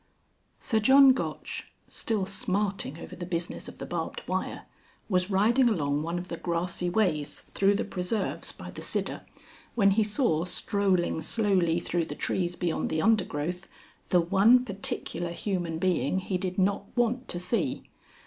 Sir John Gotch (still smarting over the business of the barbed wire) was riding along one of the grassy ways through the preserves by the Sidder, when he saw, strolling slowly through the trees beyond the undergrowth, the one particular human being he did not want to see.